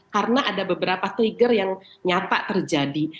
karena ada beberapa trigger yang nyata terjadi